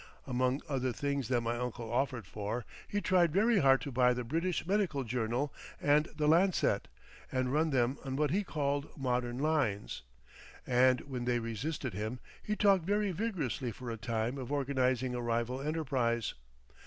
Among other things that my uncle offered for, he tried very hard to buy the British Medical Journal and the Lancet, and run them on what he called modern lines, and when they resisted him he talked very vigorously for a time of organising a rival enterprise.